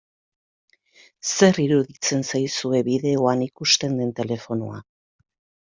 Zer iruditzen zaizue bideoan ikusten den telefonoa?